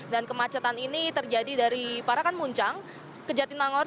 dan kemacetan ini terjadi dari parakan muncang ke jatinangor